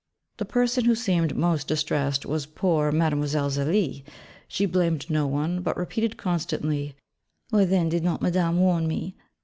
The person who seemed most distressed was poor Mlle. Zélie: she blamed no one, but repeated constantly, 'Why then did not Madame warn me?